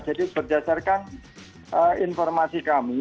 jadi berdasarkan informasi kami